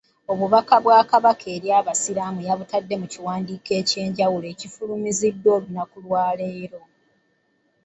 Obubaka bwa Kabaka eri Abasiraamu yabutadde mu kiwandiiko eky’enjawulo ekifulumiziddwa olunaku lwaleero